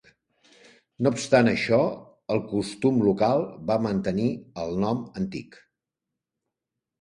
No obstant això, el costum local va mantenir el nom antic.